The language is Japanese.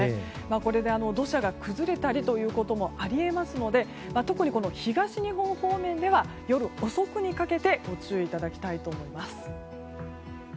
これで土砂が崩れたりということもあり得ますので特に東日本方面では夜遅くにかけてご注意いただきたいと思います。